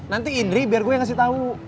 nanti indri biar gue yang ngasih tahu